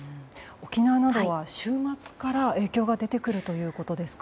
沖縄などは週末から影響が出てくるということですか。